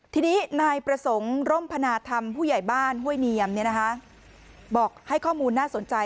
ทีนี้นายประสงค์ร่มพนาธรรมผู้ใหญ่บ้านห้วยเนียมบอกให้ข้อมูลน่าสนใจ